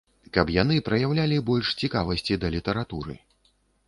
Каб яны праяўлялі больш цікавасці да літаратуры.